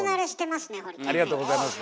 ありがとうございます。